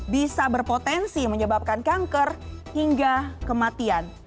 bisa berpotensi menyebabkan kanker hingga kematian